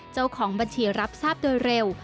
เจ้าของบัญชีรับทราบโดยเร็ว